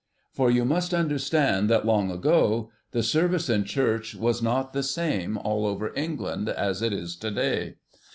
For you must understand that long ago the Service in church was not the same all over England, as it is to day.